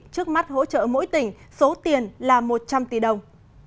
trước mắt hỗ trợ mỗi tỉnh số tiền là một trăm linh tỷ đồng